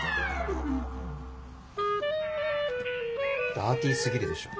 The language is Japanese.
ダーティーすぎるでしょ。